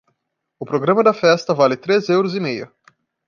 O programa da festa vale três euros e meio.